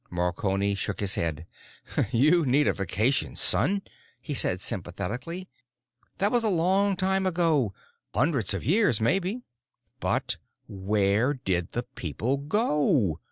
Marconi shook his head. "You need a vacation, son," he said sympathetically. "That was a long time ago. Hundreds of years, maybe." "But where did the people go?"